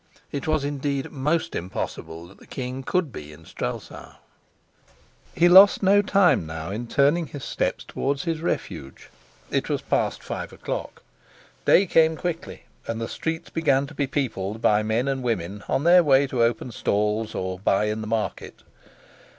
It was indeed most impossible that the king could be in Strelsau. He lost no time now in turning his steps towards his refuge. It was past five o'clock, day came quickly, and the streets began to be peopled by men and women on their way to open stalls or to buy in the market.